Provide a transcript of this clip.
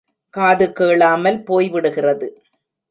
காது கேளாமல் போய் விடுகிறது.